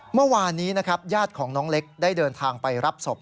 เมื่อวานนี้นะครับญาติของน้องเล็กได้เดินทางไปรับศพ